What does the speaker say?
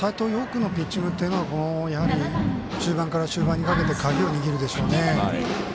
君のピッチングというのは中盤から終盤にかけて鍵を握るでしょうね。